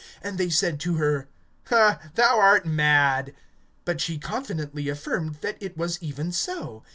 (15)And they said to her: Thou art mad. But she confidently affirmed that it was even so.